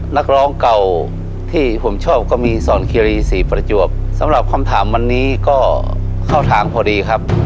นักร้องเก่าที่ผมชอบก็มีสอนคิรีสี่ประจวบสำหรับคำถามวันนี้ก็เข้าทางพอดีครับ